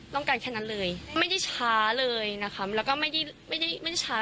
ต้องการแค่นั้นเลยไม่ได้ช้าเลยนะครับแล้วก็ไม่ได้ไม่ได้ไม่ได้ช้า